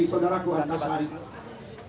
saudara ku anda sehari tu